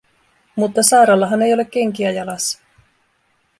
Mutta Saarallahan ei ole kenkiä jalassa.